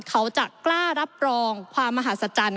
เขาจะกล้ารับรองความมหาศจรรย์